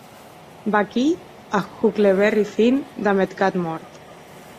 Vaquí a Huckleberry Finn damb eth gat mòrt.